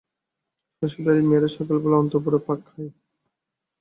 শশীর বাড়ির মেয়েরা সকালবেলা অন্তঃপুরে পাক খায়।